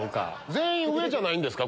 全員上じゃないんですか？